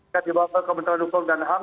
ke kementerian hukum dan ham